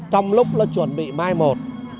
trong lúc nó chuẩn bị mai một